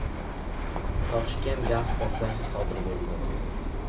Toshkentda gaz portlashi sodir bo‘ldi